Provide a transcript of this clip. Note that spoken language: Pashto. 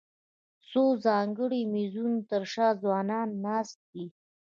د څو ځانګړو مېزونو تر شا ځوانان ناست دي.